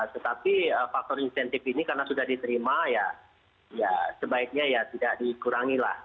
tetapi faktor insentif ini karena sudah diterima ya sebaiknya ya tidak dikurangi lah